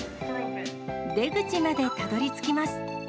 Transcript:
出口までたどりつきます。